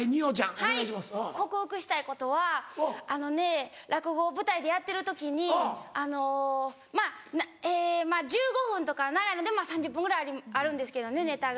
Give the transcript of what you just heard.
はい克服したいことはあのね落語を舞台でやってる時にあのまぁえ１５分とか長いので３０分ぐらいあるんですけどねネタが。